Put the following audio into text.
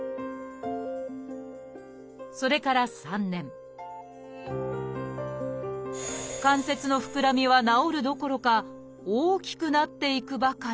それから３年関節の膨らみは治るどころか大きくなっていくばかり。